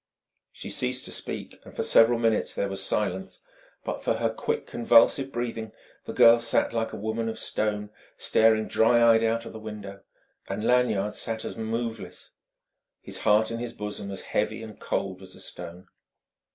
She ceased to speak, and for several minutes there was silence. But for her quick, convulsive breathing, the girl sat like a woman of stone, staring dry eyed out of the window. And Lanyard sat as moveless, the heart in his bosom as heavy and cold as a stone.